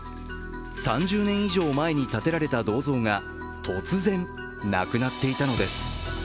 ３０年以上前に建てられた銅像が突然、なくなっていたのです。